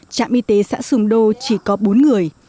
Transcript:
trạm y tế xã sùng đô chỉ có bốn người